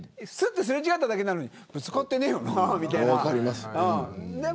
すれ違っただけなのにぶつかってないよなとか。